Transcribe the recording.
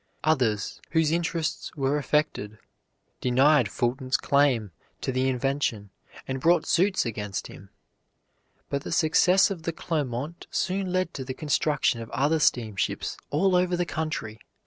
Others whose interests were affected denied Fulton's claim to the invention and brought suits against him. But the success of the Clermont soon led to the construction of other steamships all over the country.